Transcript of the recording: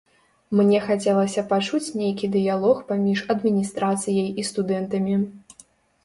Мне хацелася пачуць нейкі дыялог паміж адміністрацыяй і студэнтамі.